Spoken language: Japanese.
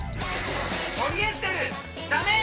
ポリエステル駄目！